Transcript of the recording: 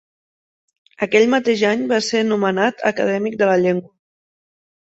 Aquell mateix any va ser nomenat acadèmic de la llengua.